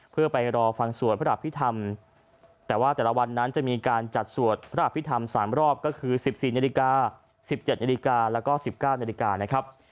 เพื่อไปรอฟังสวดพระอภิษฐรรมแต่ว่าแต่ละวันนั้นจะมีการจัดสวดพระอภิษฐรรม๓รอบก็คือ๑๔นาฬิกา๑๗นาฬิกาแล้วก็๑๙นาฬิกานะครับ